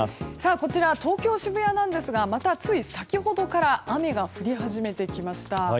こちら東京・渋谷なんですがまた、つい先ほどから雨が降り始めてきました。